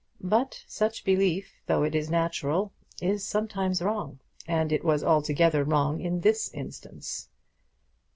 But such belief, though it is natural, is sometimes wrong; and it was altogether wrong in this instance.